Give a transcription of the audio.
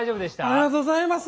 ありがとうございます。